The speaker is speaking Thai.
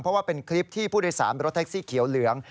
เพราะว่าเป็นคลิปที่ผู้โดยสารรถแท็กซี่เขียวเหลือง